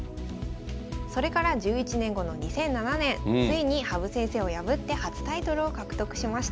それから１１年後の２００７年ついに羽生先生を破って初タイトルを獲得しました。